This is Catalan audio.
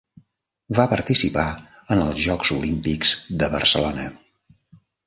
Va participar en els Jocs Olímpics de Barcelona.